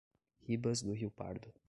Ribas do Rio Pardo